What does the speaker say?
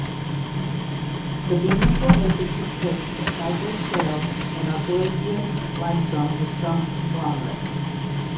The Beeman Formation consists of cyclic shale and argillaceous limestone with some conglomerate.